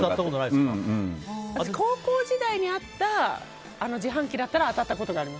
高校時代にあった自販機だったら当たったことあります。